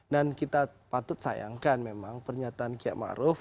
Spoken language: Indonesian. dan kita patut sayangkan memang pernyataan kiai maruf